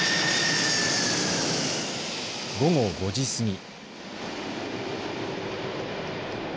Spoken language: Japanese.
午後５時過ぎ。